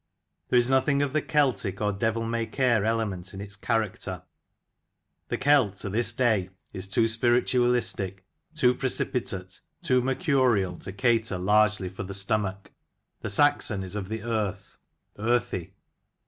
There is nothing of the Celtic or devil may care element in its character. The Celt, to this day, is too spiritualistic, too precipitate, too mercurial, to cater largely for the stomach ; the Saxon is of the earth, earthy.